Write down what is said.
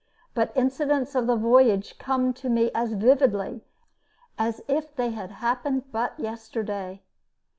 But incidents of the voyage come to me as vividly as if they had happened but yesterday.